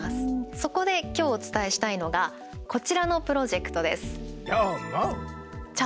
そこで、今日お伝えしたいのがこちらのプロジェクトです。